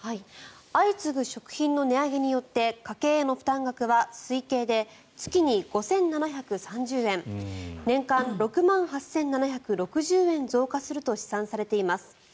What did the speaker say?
相次ぐ食品の値上げによって家計への負担額は推計で月に５７３０円年間６万８７６０円増加すると試算されています。